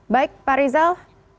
baik pak rizal